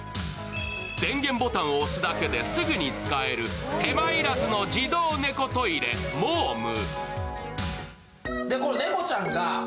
電源ボタンを押すだけですぐに使える手間いらずの自動猫トイレＭＯＭＥ。